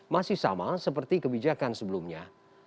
masih sama seperti kebijakan sebelumnya